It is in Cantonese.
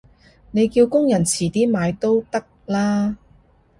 你叫工人遲啲買都得啦